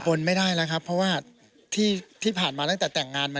นไม่ได้แล้วครับเพราะว่าที่ผ่านมาตั้งแต่แต่งงานมา